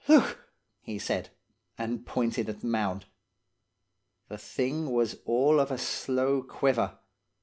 "'Look!' he said, and pointed at the mound. The thing was all of a slow quiver.